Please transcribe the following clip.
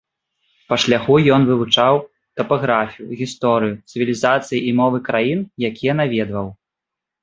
Па шляху ён вывучаў тапаграфію, гісторыю, цывілізацыі і мовы краін, якія наведваў.